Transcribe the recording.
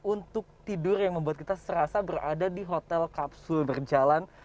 untuk tidur yang membuat kita serasa berada di hotel kapsul berjalan